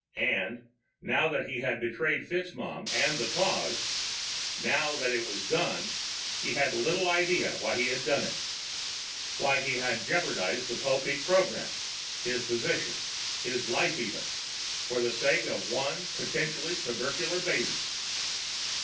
And, now that he had betrayed FitzMaugham and the Cause, now that it was done, he had little idea why he had done it, why he had jeopardized the Popeek program, his position his life, even for the sake of one potentially tubercular baby.